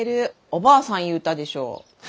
おばあさん言うたでしょ。